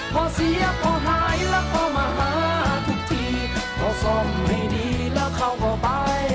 พอเสียพอหายแล้วก็มาหาทุกทีพอซ่อมให้ดีแล้วเขาก็ไป